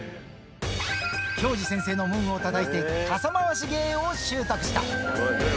鏡次先生の門をたたいて、傘回し芸を習得した。